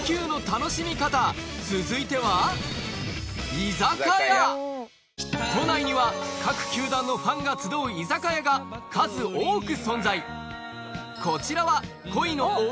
続いては都内には各球団のファンが集う居酒屋が数多く存在